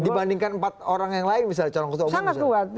dibandingkan empat orang yang lain misalnya calon ketua umum bisa kuat